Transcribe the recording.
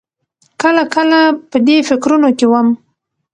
کله کله په دې فکرونو کې وم.